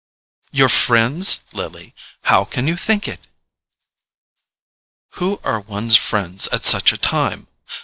"Your FRIENDS, Lily—how can you think it?" "Who are one's friends at such a time?